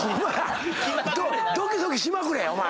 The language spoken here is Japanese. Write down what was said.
ドキドキしまくれお前。